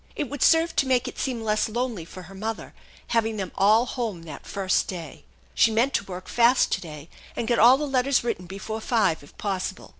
It would serve to make it seem less lonely for her mother, having them all home that first day. She meant to work fast to daj and get all the letters written before five if possible.